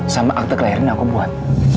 sama akte kelahiran yang aku buat